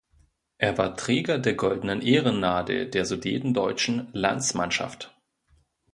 Er war Träger der Goldenen Ehrennadel der Sudetendeutschen Landsmannschaft.